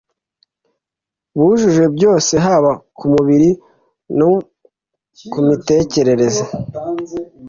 bujuje byose haba ku mubiri no ku mitekerereze